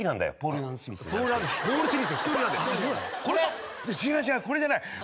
これじゃない。